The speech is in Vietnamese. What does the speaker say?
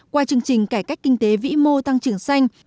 qua chương trình cải cách kinh tế vĩ mô tăng trưởng xanh